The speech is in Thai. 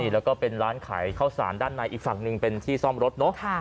แล้วก็เป็นร้านขายข้าวสารด้านในอีกฝั่งหนึ่งเป็นที่ซ่อมรถเนอะ